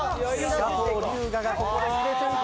佐藤龍我がここで入れていく。